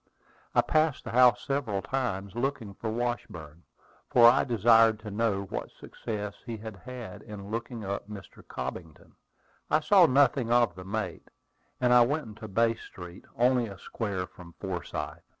I passed the house several times, looking for Washburn, for I desired to know what success he had had in looking up Mr. Cobbington. I saw nothing of the mate, and I went into Bay Street, only a square from Forsyth.